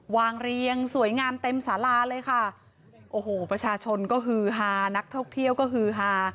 เรียงสวยงามเต็มสาราเลยค่ะโอ้โหประชาชนก็ฮือฮานักท่องเที่ยวก็ฮือฮา